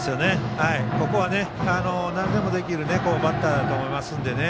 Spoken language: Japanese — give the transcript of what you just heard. ここは、なんでもできるバッターだと思いますのでね。